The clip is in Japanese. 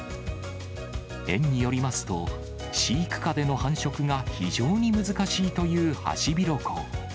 園によりますと、飼育下での繁殖が非常に難しいというハシビロコウ。